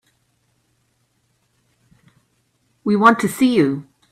We want to see you.